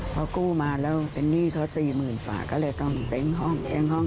พอกู้มาแล้วเป็นหนี้เขา๔๐๐๐บาทก็เลยต้องเต้งห้อง